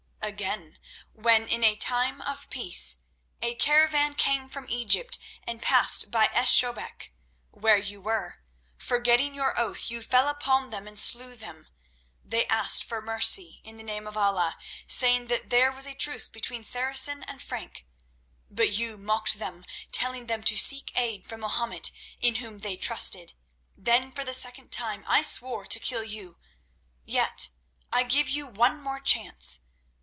Again, when in a time of peace a caravan came from Egypt and passed by Esh Shobek, where you were, forgetting your oath, you fell upon them and slew them. They asked for mercy in the name of Allah, saying that there was truce between Saracen and Frank. But you mocked them, telling them to seek aid from Mahomet, in whom they trusted. Then for the second time I swore to kill you. Yet I give you one more chance.